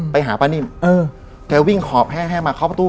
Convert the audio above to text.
ป้านิมแกวิ่งขอบแห้งมาเข้าประตู